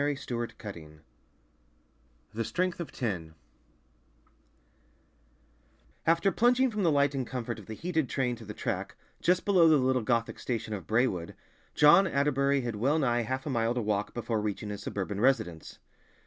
The Strength of Ten The Strength of Ten AFTER plunging from the light and comfort of the heated train to the track, just below the little Gothic station of Braewood, John Atterbury had well nigh half a mile to walk before reaching his suburban residence.